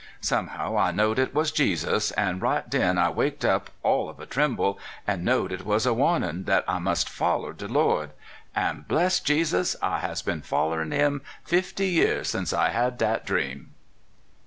Somehow I knowed it was Jesus, an' right den I waked up all of a tremble, an' knowed it was a warnin' dat I mus' foller de Lord. An', bless Jesus, I has been foUerin' him fifty year since I had dat dream."